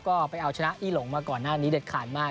ก็ไปเอาชนะอี้หลงมาก่อนหน้านี้เด็ดขาดมาก